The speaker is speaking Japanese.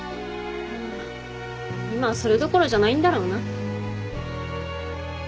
今はそれどころじゃないんだろうな。